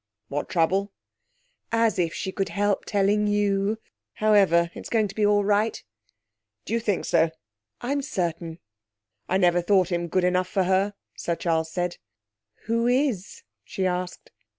'What trouble?' 'As if she could help telling you! However, it's going to be all right.' 'Do you think so?' 'I'm certain.' 'I never thought him good enough for her,' Sir Charles said. 'Who is?' she asked.